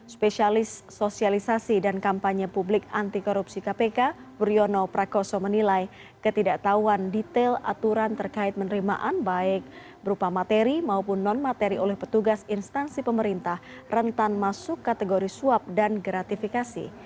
spesial sosialisasi dan kampanye publik anti korupsi kpk wuryono prakoso menilai ketidaktahuan detail aturan terkait penerimaan baik berupa materi maupun non materi oleh petugas instansi pemerintah rentan masuk kategori suap dan gratifikasi